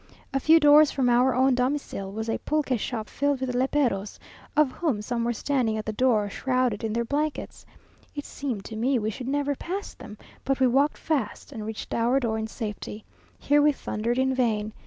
A few doors from our own domicile was a pulque shop filled with léperos, of whom some were standing at the door, shrouded in their blankets. It seemed to me we should never pass them, but we walked fast, and reached our door in safety. Here we thundered in vain.